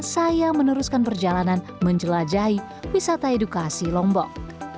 saya meneruskan perjalanan menjelajahi wisata edukasi lombok